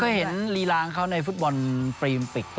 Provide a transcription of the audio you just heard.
เราก็เห็นลีรางเขาในฟุตบอลปรีอิมปิก